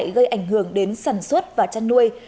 gây ảnh hưởng đến sản xuất và chăn nuôi